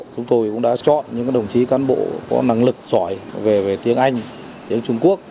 chúng tôi cũng đã chọn những đồng chí cán bộ có năng lực giỏi về tiếng anh tiếng trung quốc